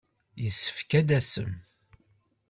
Yessefk ad d-tasem.